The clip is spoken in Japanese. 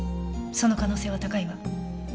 その可能性は高いわ。